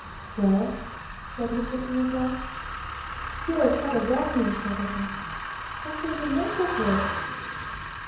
"Well?" said Mitchington at last. "You're a cut above me, Jettison. What do you make of it?"